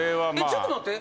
ちょっと待って。